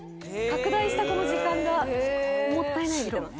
拡大したこの時間がもったいないみたいな。